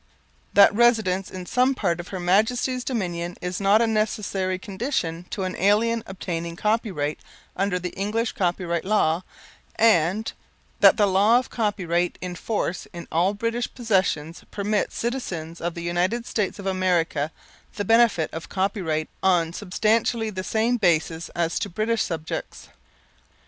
"That residence in some part of Her Majesty's Dominions is not a necessary condition to an alien obtaining copyright under the English copyright law; and "That the law of copyright in force in all British possessions permits to citizens of the United States of America the benefit of copyright on substantially the same basis as to British subjects."